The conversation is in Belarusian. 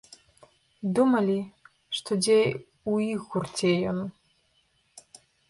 Думалі, што дзе ў іх гурце ён.